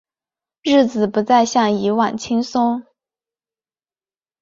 日子不再像以往轻松